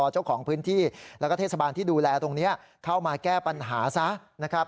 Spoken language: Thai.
เจ้าของพื้นที่แล้วก็เทศบาลที่ดูแลตรงนี้เข้ามาแก้ปัญหาซะนะครับ